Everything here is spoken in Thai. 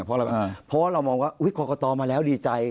เพราะเรามองว่าอุ้ยคอกตอมาแล้วดีใจ